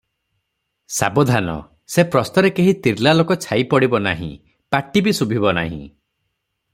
ସାବଧାନ! ସେ ପ୍ରସ୍ତରେ କେହି ତିର୍ଲା ଲୋକ ଛାଇ ପଡ଼ିବ ନାହିଁ – ପାଟି ବି ଶୁଭିବ ନାହିଁ ।